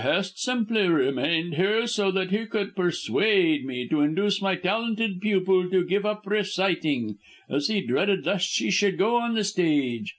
Hest simply remained here so that he could persuade me to induce my talented pupil to give up reciting, as he dreaded lest she should go on the stage.